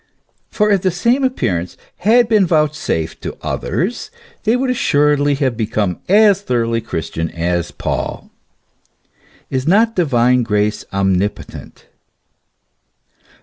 For if the same appearance had been vouchsafed to others, they would assuredly have become as thoroughly Christian as Paul. Is not divine grace omnipotent